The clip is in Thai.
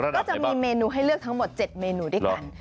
ก็จะมีเมนูให้เลือกทั้งหมด๗เมนูด้วยกัน